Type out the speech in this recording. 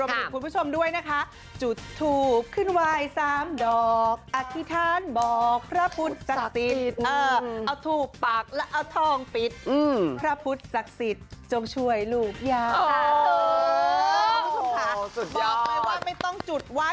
บอกเลยว่าไม่ต้องจุดไหว้ถึง๓ดอกก็ได้